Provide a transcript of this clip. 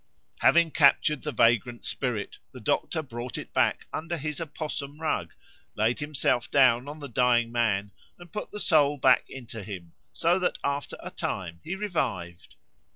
Having captured the vagrant spirit, the doctor brought it back under his opossum rug, laid himself down on the dying man, and put the soul back into him, so that after a time he revived.